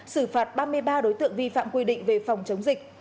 xử phạt ba mươi ba đối tượng vi phạm quy định về phòng chống dịch